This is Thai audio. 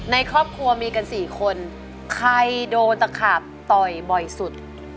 ในครอบครัวมีกันสี่คนใครโดนตะขาบต่อยบ่อยสุด